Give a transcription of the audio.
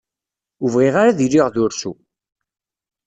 Ur bɣiɣ ara ad iliɣ d ursu.